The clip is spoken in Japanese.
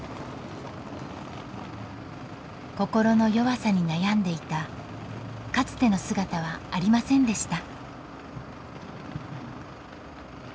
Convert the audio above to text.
心の弱さに悩んでいたかつての姿はありませんでした。